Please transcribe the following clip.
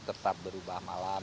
tetap berubah malam